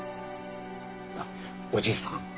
あっおじさん